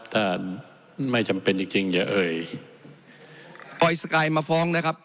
ถ้าไม่จำเป็นจริงจริงอย่าเอ่ยปล่อยสกายมาฟ้องนะครับ